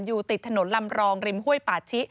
อยู่ติดถนนลำรองริมห้วยปาชิ